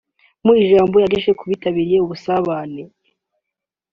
Mu ijambo yagejeje ku bitabiriye ubusabane